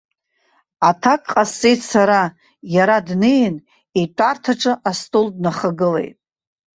Аҭак ҟасҵеит сара, иара днеин, итәарҭаҿы астол днахагылеит.